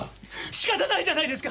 しかたないじゃないですか！